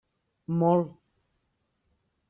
Molt.